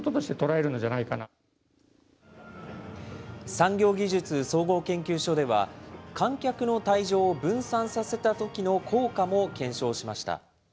産業技術総合研究所では、観客の退場を分散させたときの効果も検証しました。